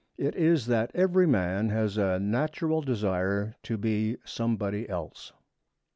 It is that every man has a natural desire to be somebody else.